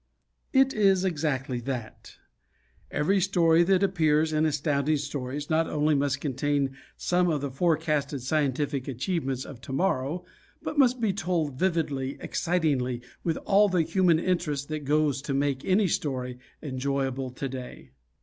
It is exactly that. Every story that appears in Astounding Stories not only must contain some of the forecasted scientific achievements of To morrow, but must be told vividly, excitingly, with all the human interest that goes to make any story enjoyable To day.